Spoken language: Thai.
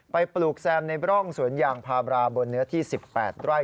ปลูกแซมในร่องสวนยางพาบราบนเนื้อที่๑๘ไร่